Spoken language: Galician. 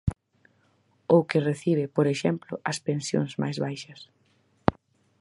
Ou que recibe, por exemplo, as pensións máis baixas.